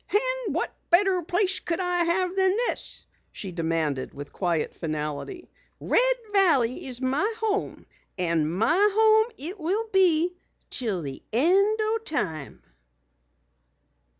"And what better place could I have than this?" she demanded with quiet finality. "Red Valley is my home, and my home it will be till the end o' time!"